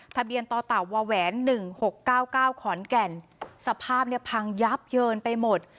ต่อเต่าวาแหวน๑๖๙๙ขอนแก่นสภาพเนี่ยพังยับเยินไปหมด